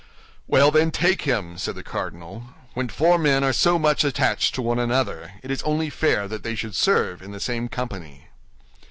"Well, then, take him," said the cardinal; "when four men are so much attached to one another, it is only fair that they should serve in the same company."